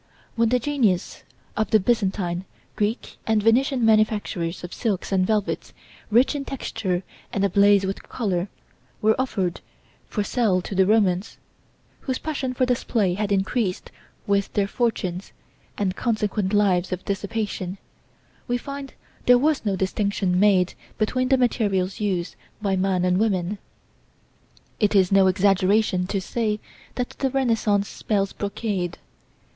When the genius of the Byzantine, Greek and Venetian manufacturers of silks and velvets, rich in texture and ablaze with colour, were offered for sale to the Romans, whose passion for display had increased with their fortunes, and consequent lives of dissipation, we find there was no distinction made between the materials used by man and woman. It is no exaggeration to say that the Renaissance spells brocade.